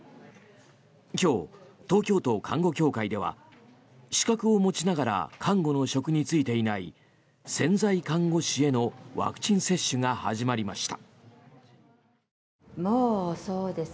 今日、東京都看護協会では資格を持ちながら看護の職に就いていない潜在看護師へのワクチン接種が始まりました。